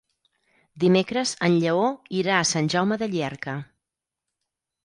Dimecres en Lleó irà a Sant Jaume de Llierca.